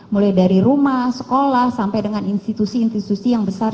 mulai dari rumah sekolah sampai dengan institusi institusi yang besar